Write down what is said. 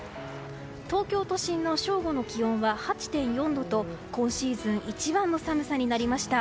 東京都心の正午の気温は８．４度と今シーズン一番の寒さになりました。